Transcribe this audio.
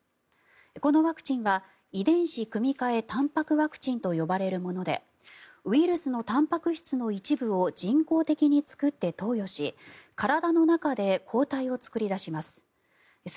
このワクチンは遺伝子組み換えたんぱくワクチンと呼ばれるものでウイルスのたんぱく質の一部を人工的に作って投与し体の中で抗体を作り出します。